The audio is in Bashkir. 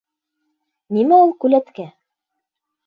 Нимә ул күләткә?